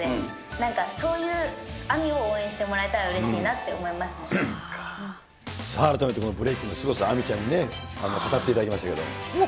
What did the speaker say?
なんかそういうＡｍｉを応援してもらえたらうれしいなと思いますさあ、改めてこのブレイキンのすごさ、Ａｍｉちゃんに語っていただきましたけれども。